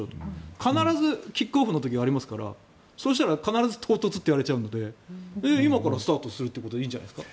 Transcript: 必ずキックオフの時がありますからそしたら必ず唐突といわれちゃうので今からスタートするということでいいんじゃないですか？